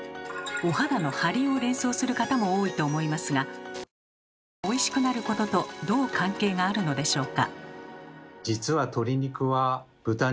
お肌のハリを連想する方も多いと思いますがから揚げがおいしくなることとどう関係があるのでしょうか？